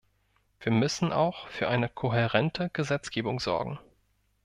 Wir müssen auch für eine kohärente Gesetzgebung sorgen.